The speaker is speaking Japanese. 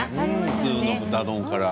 普通の豚丼から。